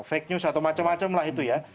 fake news atau macam macam lah itu ya